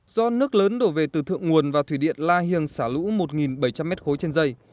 do nước lớn đổ về từ thượng nguồn và thủy điện la hiềng xả lũ một bảy trăm linh m ba trên dây